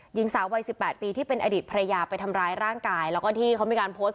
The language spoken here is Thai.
หญิงสาววัยสิบแปดปีที่เป็นอดีตภรรยาไปทำร้ายร่างกายแล้วก็ที่เขามีการโพสต์